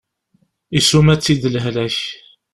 Isuma-tt-id lehlak.